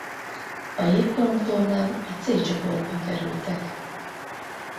A jégkorongtornán a C csoportba kerültek.